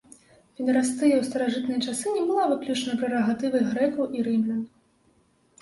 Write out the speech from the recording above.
Педэрастыя ў старажытныя часы не была выключна прэрагатывай грэкаў і рымлян.